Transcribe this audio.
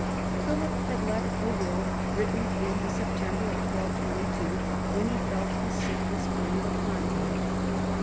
Philip had left a will, written in the September of 1222, when he felt his sickness coming upon him.